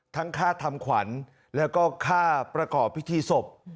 ค่าทำขวัญแล้วก็ค่าประกอบพิธีศพ